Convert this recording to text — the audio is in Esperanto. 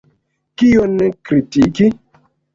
Kion kritiki?